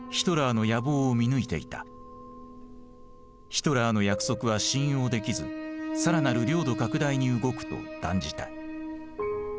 ヒトラーの約束は信用できず更なる領土拡大に動くと断じた。